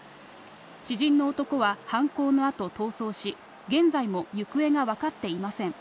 知人の男は犯行の後、逃走し現在も行方がわかっていません。